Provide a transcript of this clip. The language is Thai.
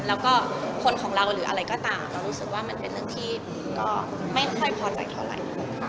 แล้วก็คนของเราหรืออะไรก็ตามเรารู้สึกว่ามันเป็นเรื่องที่ก็ไม่ค่อยพอใจเท่าไหร่